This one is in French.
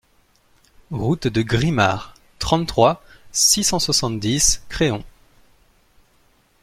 Route de Grimard, trente-trois, six cent soixante-dix Créon